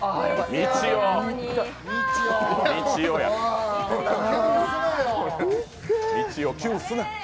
みちお、キュンすな。